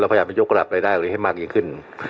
แล้วพออยากจะยกกลับรายได้มากยิ่งขึ้น